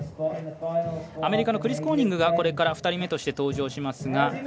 アメリカのクリス・コーニングがこれから２人目として登場します。